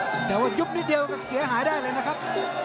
แต่ว่ายุบนิดเดียวก็เสียหายได้เลยนะครับ